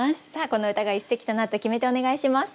この歌が一席となった決め手お願いします。